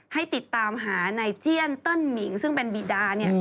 ให้ติดตามหานายเจียนเติ้ลหมิงซึ่งเป็นบีดา